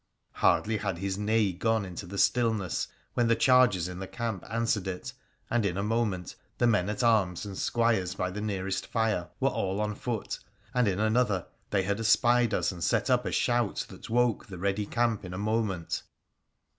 Hardly had his neigh gone into the stillness when the chargers in the camp answered it, and in a moment the men at arms and squires by the nearest fire were PHRA THE PHCENICIAN 103 ftll on foot, and in another they had espied us and set up a shout that woke the ready camp in a moment.